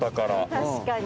確かに。